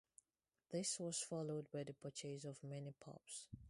This was followed by the purchase of many pubs.